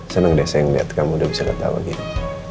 seneng deh sayang liat kamu udah bisa ketawa gini